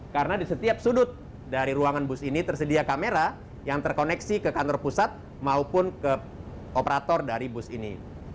karena di setiap sudut dari ruangan bus ini tersedia kamera yang terkoneksi ke kantor pusat maupun ke operator dari bus ini